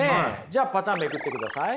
じゃあパターンめくってください。